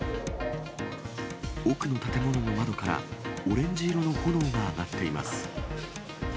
奥の建物の窓から、オレンジ色の炎が上がっています。